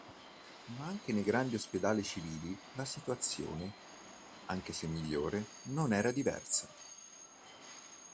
Ma anche nei grandi ospedali civili la situazione, anche se migliore, non era diversa.